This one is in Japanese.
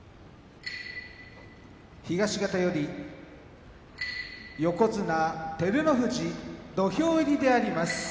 東方より横綱照ノ富士土俵入りであります。